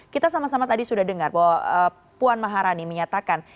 kita sama sama tadi sudah dengar bahwa puan maharani menyatakan